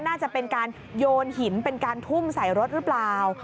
น่าจะเป็นการโยนหินเป็นการทุ่มใส่รถหรือเปล่า